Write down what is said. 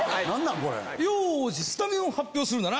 よしスタメンを発表するんだな！